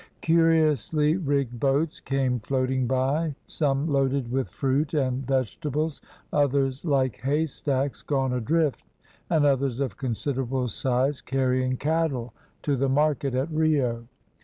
Curiously rigged boats came floating by, some loaded with fruit and vegetables, others like haystacks gone adrift, and others of considerable size carrying cattle to the market at Rio.